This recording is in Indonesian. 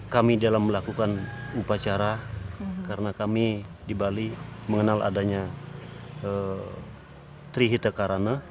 kami dalam melakukan upacara karena kami di bali mengenal adanya trihita karana